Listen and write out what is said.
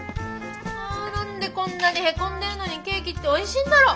あ何でこんなにへこんでるのにケーキっておいしいんだろ。